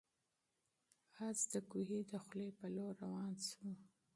آس د کوهي د خولې په لور روان و.